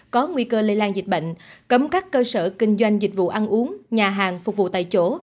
có nguy cơ lây lan dịch bệnh cấm các cơ sở kinh doanh dịch vụ ăn uống nhà hàng phục vụ tại chỗ